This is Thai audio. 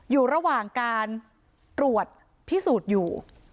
อยู่ระหว่างการตรวจพิสูจน์อยู่